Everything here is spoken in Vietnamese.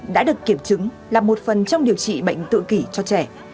đã được kiểm chứng là một phần trong điều trị bệnh tự kỷ cho trẻ